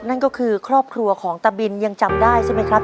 นั่นก็คือครอบครัวของตะบินยังจำได้ใช่ไหมครับ